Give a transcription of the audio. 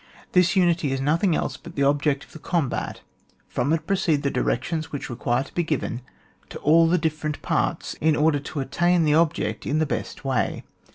This unity \s nothing else but the object of the com bat ; from it proceed the directions which require to be given to all the different parts, in order to attain the object in the best way.